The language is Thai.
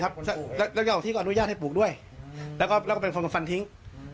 แล้วเจ้าที่ก็อนุญาตให้ปลูกด้วยแล้วก็เป็นคนมาฟันทิ้ง